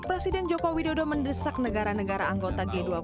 presiden joko widodo mendesak negara negara anggota g dua puluh